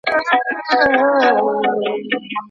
اسلام مبارک او جامع دين دی.